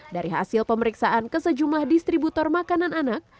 dari hasil pemeriksaan ke sejumlah distributor makanan anak